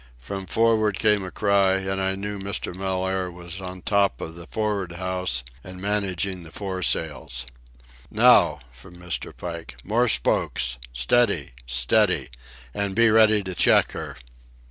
From for'ard came a cry, and I knew Mr. Mellaire was on top of the for'ard house and managing the fore yards. "Now!"—from Mr. Pike. "More spokes! Steady! Steady! And be ready to check her!"